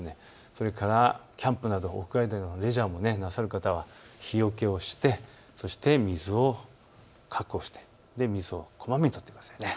それからキャンプなど屋外のレジャーをなさる方も日よけをしてそして水を確保して水をこまめにとってください。